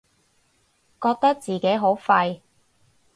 覺得自己好廢